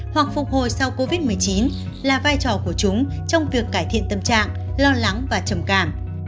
hoặc phục hồi sau covid một mươi chín là vai trò của chúng trong việc cải thiện tâm trạng lo lắng và trầm cảm